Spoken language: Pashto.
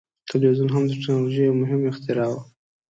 ټلویزیون هم د ټیکنالوژۍ یو مهم اختراع وه.